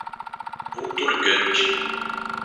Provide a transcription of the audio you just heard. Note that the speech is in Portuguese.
outorgante